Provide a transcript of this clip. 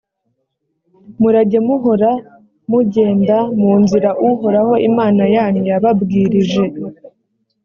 murajye muhora mugenda mu nzira uhoraho imana yanyu yababwirije,